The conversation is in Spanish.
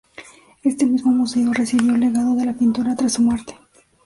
Este mismo museo recibió el legado de la pintora tras su muerte.